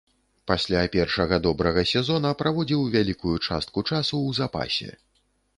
Пасля першага добрага сезона праводзіў вялікую частку часу ў запасе.